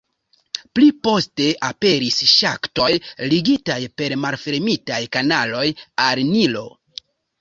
Pli poste aperis ŝaktoj, ligitaj per malfermitaj kanaloj al Nilo.